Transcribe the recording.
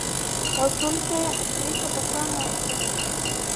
او ټولو ته یې عصري توپکونه ورکړل.